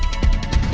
ya udah aku nelfon